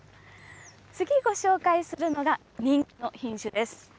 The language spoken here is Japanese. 次、ご紹介するのが人気の品種です。